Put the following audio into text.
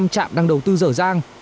năm chạm đang đầu tư dở dàng